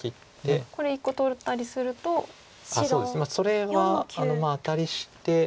それはアタリして。